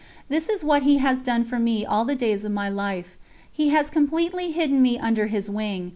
This is what He has done for me all the days of my life. He has completely hidden me under His Wing.